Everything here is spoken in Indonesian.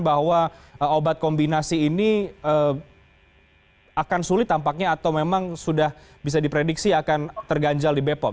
bahwa obat kombinasi ini akan sulit tampaknya atau memang sudah bisa diprediksi akan terganjal di bepom